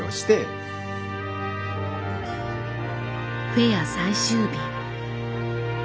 フェア最終日。